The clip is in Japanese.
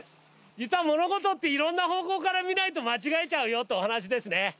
実は物事って、いろんな方向から見ないと間違えちゃうよってお話ですね。